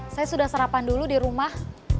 saya sudah serapan dulu di rumah